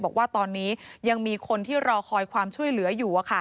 บอกว่าตอนนี้ยังมีคนที่รอคอยความช่วยเหลืออยู่